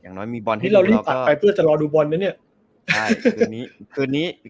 นี่เรารีบตัดไปเพื่อจะรอดูบอลไหมเนี่ย